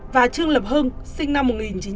và trương lập hưng sinh năm một nghìn chín trăm tám mươi